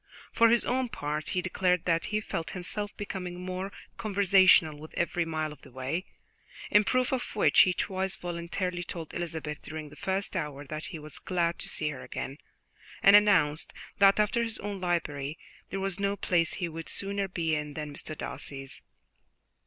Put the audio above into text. For his own part, he declared that he felt himself becoming more conversational with every mile of the way, in proof of which he twice voluntarily told Elizabeth during the first hour that he was glad to see her again, and announced that, after his own library, there was no place he would sooner be in than Mr. Darcy's.